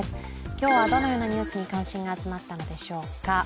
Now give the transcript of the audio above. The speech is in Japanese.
今日はどのようなニュースに関心が集まったのでしょうか。